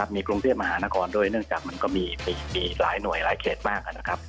มีกรุงเทพมหานครด้วยเนื่องจากมันก็มีหลายหน่วยหลายเขตมากนะครับ